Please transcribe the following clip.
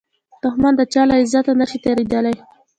دښمن د چا له عزته نشي تېریدای